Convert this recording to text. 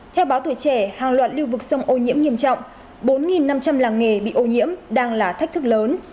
theo báo tuổi trẻ hàng loạt lưu vực sông ô nhiễm nghiêm trọng bốn năm trăm linh làng nghề bị ô nhiễm đang là thách thức lớn